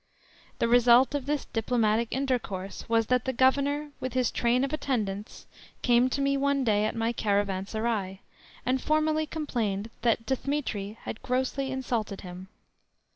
The result of this diplomatic intercourse was that the Governor, with his train of attendants, came to me one day at my caravanserai, and formally complained that Dthemetri had grossly insulted him.